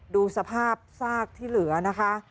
ดูสภาพซากที่เหลือนะคะ